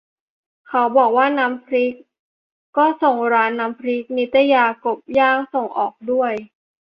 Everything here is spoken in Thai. เขาบอกว่าน้ำพริก ก็ส่งร้านน้ำพริกนิตยา กบย่างส่งออกด้วย